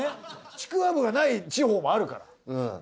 ちくわぶがない地方もあるから。